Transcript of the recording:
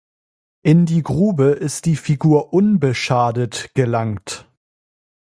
In die Grube ist die Figur unbeschadet gelangt.